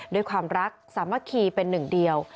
ด้วยความรักสามัคคีเป็นหนึ่งเดียว